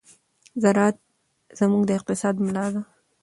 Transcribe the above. زراعت زموږ د اقتصاد ملا ده.